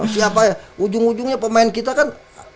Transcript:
siapa ya ujung ujungnya pemain kita kan